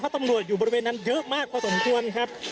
ตำรวจอยู่บริเวณนั้นเยอะมากพอสมควรครับ